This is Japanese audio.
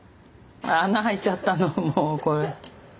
穴開いちゃったのもうこれ。